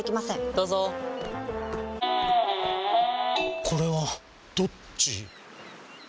どうぞこれはどっち？